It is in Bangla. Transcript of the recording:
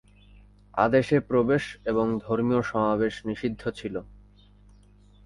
আদেশে প্রবেশ এবং ধর্মীয় সমাবেশ নিষিদ্ধ ছিল।